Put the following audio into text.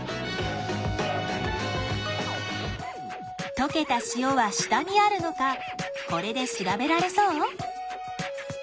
とけた塩は下にあるのかこれで調べられそう？